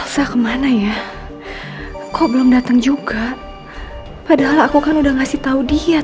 sampai jumpa di video selanjutnya